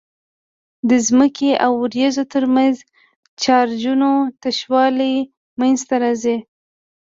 د ځمکې او وريځو ترمنځ چارجونو تشوالی منځته راځي.